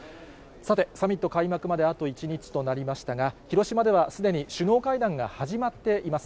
さて、サミット開幕まであと１日となりましたが、広島ではすでに首脳会談が始まっています。